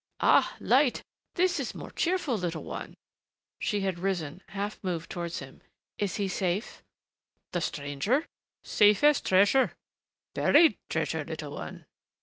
"Ah, light! This is more cheerful, little one." She had risen, half moved towards him. "Is he safe?" "The stranger? Safe as treasure buried treasure, little one."